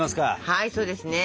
はいそうですね。